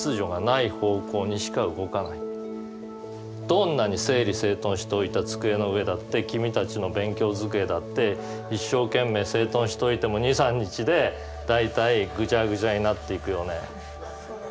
どんなに整理整頓しておいた机の上だって君たちの勉強机だって一生懸命整頓しておいても２３日で大体ぐじゃぐじゃになっていくよね。